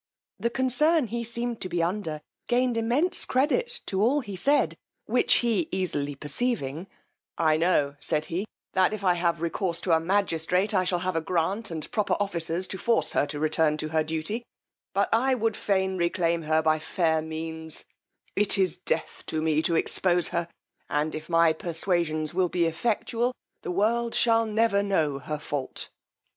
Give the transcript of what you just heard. The concern he seemed to be under gained immediate credit to all he said; which he easily perceiving, I know, said he, that if I have recourse to a magistrate I shall have a grant, and proper officers to force her to return to her duty; but I would feign reclaim her by fair means: it is death to me to expose her; and if my perswasions will be effectual, the world shall never know her fault.